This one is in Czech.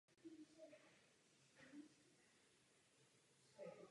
Pahorek má dlouhou sídelní tradici.